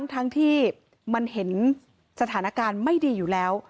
ทั้งที่มันเห็นสถานการณ์ไม่ดีอยู่แล้ว